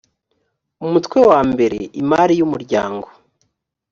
umutwe wa mbere imari y umuryango